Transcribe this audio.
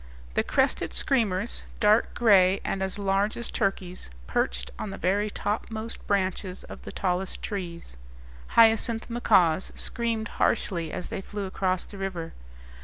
The crested screamers, dark gray and as large as turkeys, perched on the very topmost branches of the tallest trees. Hyacinth macaws screamed harshly as they flew across the river.